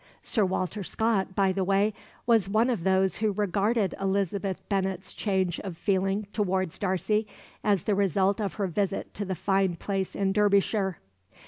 Sir Walter Scott, by the way, was one of those who regarded Elizabeth Bennet's change of feeling towards Darcy as the result of her visit to the fine place in Derbyshire.